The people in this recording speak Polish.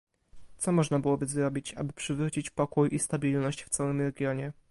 Co można byłoby zrobić, aby przywrócić pokój i stabilność w całym regionie?